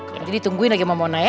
nanti ditungguin lagi sama mona ya